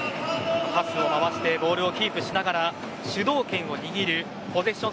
パスを回してボールをキープしながら主導権を握るポゼッション